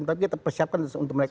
tapi kita persiapkan untuk mereka